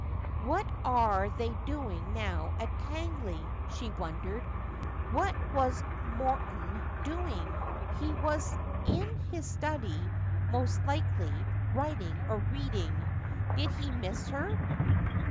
' What are they doing now at Tangle y 1 ' she wondered. What was Morton doing I He was in his study, most likely, writing or reading. Lid he miss her